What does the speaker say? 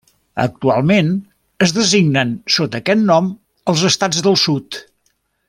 Actualment, es designen sota aquest nom els Estats del Sud.